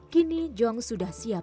kini jong sudah siap menerima alat